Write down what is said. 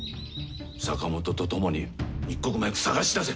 坂本と共に一刻も早く探し出せ！